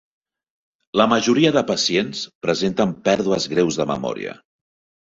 La majoria de pacients presenten pèrdues greus de memòria.